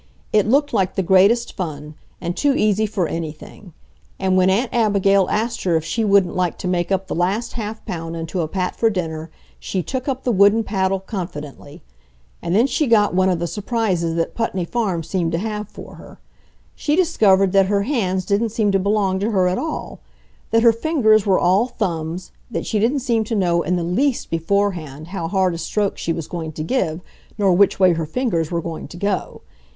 It looked like the greatest fun, and too easy for anything; and when Aunt Abigail asked her if she wouldn't like to make up the last half pound into a pat for dinner, she took up the wooden paddle confidently. And then she got one of the surprises that Putney Farm seemed to have for her. She discovered that her hands didn't seem to belong to her at all, that her fingers were all thumbs, that she didn't seem to know in the least beforehand how hard a stroke she was going to give nor which way her fingers were going to go.